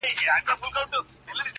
زه هوسۍ له لوړو څوکو پرزومه-